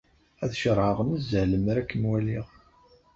Ad ceṛheɣ nezzeh lemmer ad kem-waliɣ.